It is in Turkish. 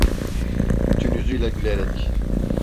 Bütün yüzüyle gülerek: